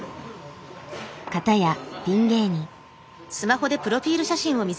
かたやピン芸人。